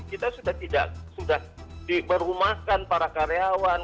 kita sudah merumahkan para karyawan